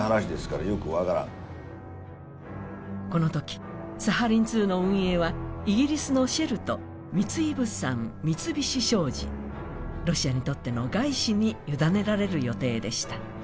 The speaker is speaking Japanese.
このとき、サハリン２の運営はイギリスのシェルと三井物産、三菱商事、ロシアにとっての外資に委ねられる予定でした。